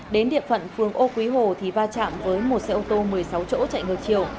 đến địa phận phường ô quý hồ thì va chạm với một xe ô tô một mươi sáu chỗ chạy ngược chiều